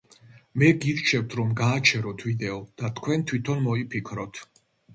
მე გირჩევთ, რომ გააჩეროთ ვიდეო და თქვენ თვითონ მოიფიქროთ.